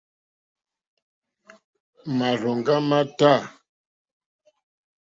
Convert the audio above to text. Màrzòŋɡá má tâ.